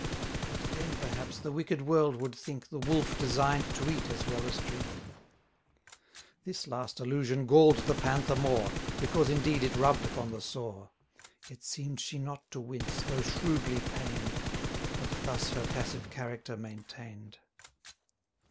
But then, perhaps, the wicked world would think, The Wolf design'd to eat as well as drink. 130 This last allusion gall'd the Panther more, Because indeed it rubb'd upon the sore. Yet seem'd she not to wince, though shrewdly pain'd: But thus her passive character maintain'd.